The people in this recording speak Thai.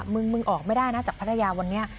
มึงมึงออกไม่ได้นะจากพัทยาวันนี้